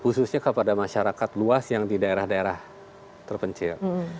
khususnya kepada masyarakat luas yang di daerah daerah terpencil